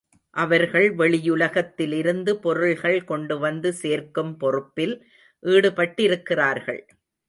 அவர்கள் வெளியுலகத்திலிருந்து பொருள்கள் கொண்டுவந்து சேர்க்கும் பொறுப்பில் ஈடுபட்டிருக்கிறார்கள்.